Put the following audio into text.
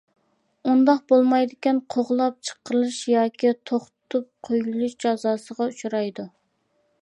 ئۇنداق بولمايدىكەن قوغلاپ چىقىرىلىش ياكى توختىتىپ قويۇلۇش جازاسىغا ئۇچرايدۇ.